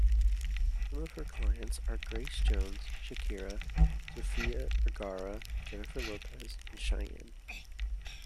Some of her clients are Grace Jones, Shakira, Sofia Vergara, Jennifer Lopez, and Chayanne.